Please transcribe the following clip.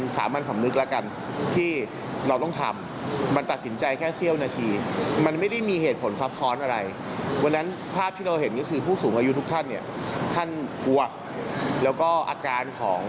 ถ้าไม่ช่วยระงับเหตุเนี่ยเดี๋ยวมันจะบานปลาย